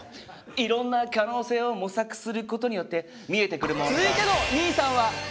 いろんな可能性を模索することによって見えてくるものが。